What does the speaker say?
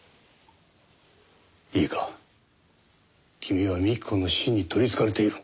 いいか君は幹子の死に取りつかれている。